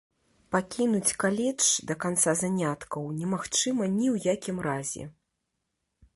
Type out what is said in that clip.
Пакінуць каледж да канца заняткаў немагчыма ні ў якім разе.